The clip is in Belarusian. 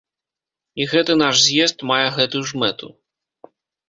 І гэты наш з'езд мае гэтую ж мэту.